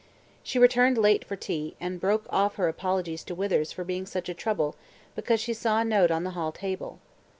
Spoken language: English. She returned late for tea, and broke off her apologies to Withers for being such a trouble because she saw a note on the hall table.